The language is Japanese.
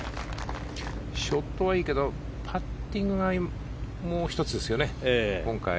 ショットはいいけどパッティングがもう一つですよね、今回。